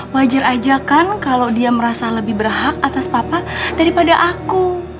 wajar aja kan kalau dia merasa lebih berhak atas papa daripada aku